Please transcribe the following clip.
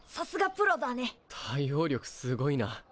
対応力すごいな。